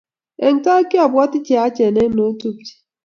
eng tai kyabwoti cheyachen eng notupche